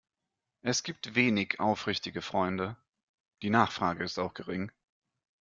Es gibt wenig aufrichtige Freunde - die Nachfrage ist auch gering.